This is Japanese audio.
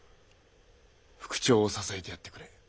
副長を支えてやってくれ。